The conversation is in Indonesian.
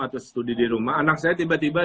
atau studi di rumah anak saya tiba tiba